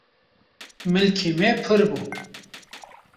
milkê me pirbû